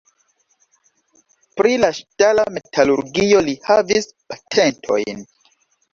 Pri la ŝtala metalurgio li havis patentojn.